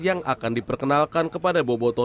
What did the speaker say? yang akan diperkenalkan kepada boboto